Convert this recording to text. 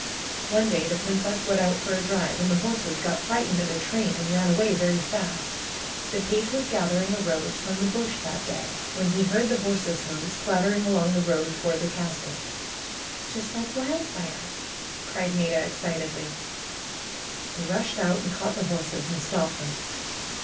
One day the princess went out for a drive, and the horses got frightened at a train and ran away very fast. The page was gathering a rose from the bush that day. 204 PRUE'S GARDENER when he heard the horses' hoofs clattering along the road toward the castle/^ Just like Wildfire V' cried Maida excitedly. ^^He rushed out and caught the horses and stopped them."